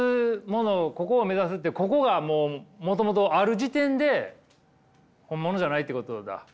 ここを目指すってここがもうもともとある時点で本物じゃないってことだ。